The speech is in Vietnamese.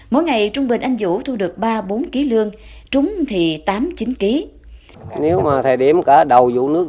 mỗi ngày trung bình anh vũ thu được ba bốn kg trúng thì tám chín kg